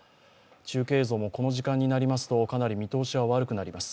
中継映像もこの時間になりますとかなり見通しが悪くなります。